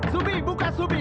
sumi buka sumi